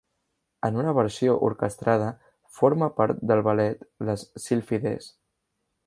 En una versió orquestrada, forma part del ballet "Les Sylphides".